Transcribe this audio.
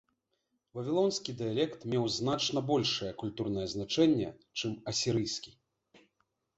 Вавілонскі дыялект меў значна большае культурнае значэнне, чым асірыйскі.